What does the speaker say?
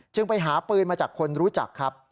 ไปหาปืนมาจากคนรู้จักครับ